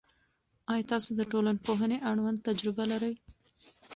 آیا تاسو د ټولنپوهنې اړوند تجربه لرئ؟